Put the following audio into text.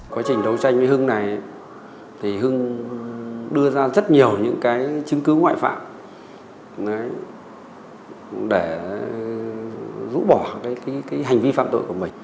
quá trình đấu tranh với hưng này thì hưng đưa ra rất nhiều những cái chứng cứ ngoại phạm để rũ bỏ cái hành vi phạm tội của mình